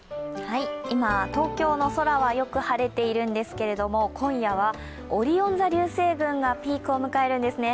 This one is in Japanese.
今、東京の空はよく晴れているんですけれども、今夜はオリオン座流星群がピークを迎えるんですね。